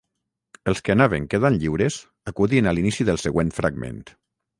Els que anaven quedant lliures acudien a l'inici del següent fragment.